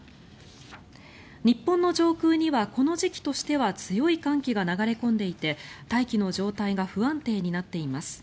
日本の上空にはこの時期としては強い寒気が流れ込んでいて大気の状態が不安定になっています。